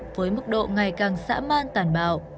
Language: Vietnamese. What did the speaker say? với mức độ ngày càng xã man tàn bạo